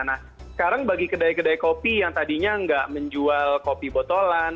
nah sekarang bagi kedai kedai kopi yang tadinya nggak menjual kopi botolan